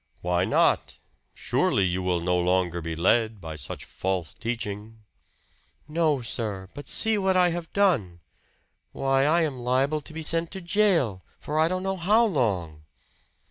"Why not? Surely you will no longer be led by such false teaching!" "No, sir. But see what I have done! Why I am liable to be sent to jail for I don't know how long."